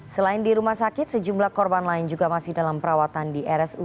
selain di rumah sakit sejumlah korban lain juga masih dalam perawatan di rsud